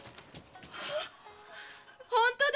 本当だ！